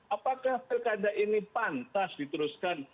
apakah pilkada ini pantas diteruskan